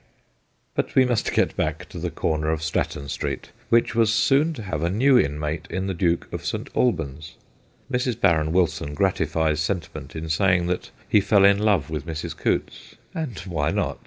But we must get back to the corner of Stratton Street, which was soon to have a new inmate in the Duke of St. Albans. Mrs. Barron Wilson gratifies sentiment in saying that he fell in love with Mrs. Coutts. And why not